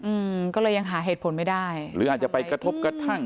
อืมก็เลยยังหาเหตุผลไม่ได้หรืออาจจะไปกระทบกระทั่ง